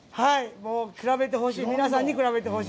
もう比べてほしい。